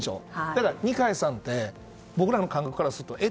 だから、二階さんって僕らの感覚からするとえ？